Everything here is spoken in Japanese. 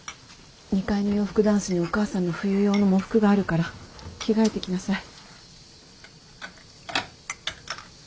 ２階の洋服ダンスにお母さんの冬用の喪服があるから着替えてきなさい。